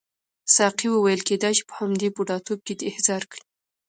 ساقي وویل کیدای شي په همدې بوډاتوب کې دې احضار کړي.